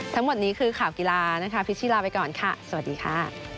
ทั้งหมดนี้คือข่าวกีฬานะคะพิชชีลาไปก่อนค่ะสวัสดีค่ะ